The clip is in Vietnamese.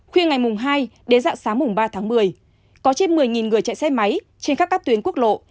khuyên ngày hai đến dạng sáng ba tháng một mươi có trên một mươi người chạy xe máy trên các các tuyến quốc lộ